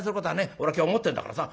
俺今日持ってんだからさ。